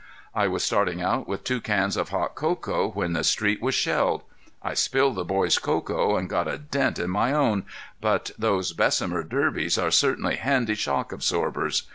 I was starting out with two cans of hot cocoa when the street was shelled. I spilled the boys' cocoa and got a dent in my own, but those Bessemer derbies are certainly handy shock absorbers.